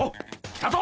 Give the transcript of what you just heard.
来たぞ！